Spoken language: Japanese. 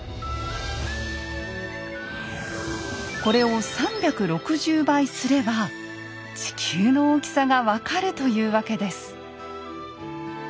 これを３６０倍すれば地球の大きさが分かるというわけです。